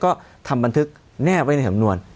ก็ทำบันทึกแนบไว้ในสำนวน